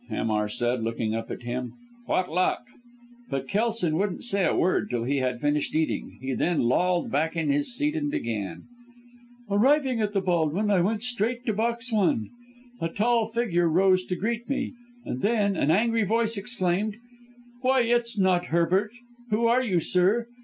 Hamar said, looking up at him, "what luck?" But Kelson wouldn't say a word till he had finished eating. He then lolled back in his seat and began: "Arriving at the Baldwyn I went straight to box one. A tall figure rose to greet me, and then, an angry voice exclaimed, 'Why it's not Herbert! Who are you, sir?